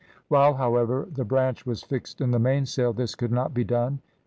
While, however, the branch was fixed in the mainsail, this could not be done.